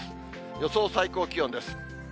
予想最高気温です。